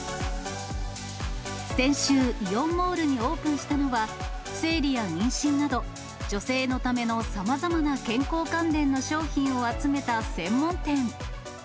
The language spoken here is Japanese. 先週、イオンモールにオープンしたのは、生理や妊娠など、女性のためのさまざまな健康関連の商品を集めた専門店。